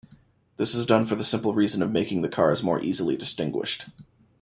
This is done for the simple reason of making the cars more easily distinguished.